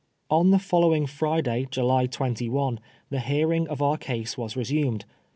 On the following Friday, July 21, the hearing of our case was resumed.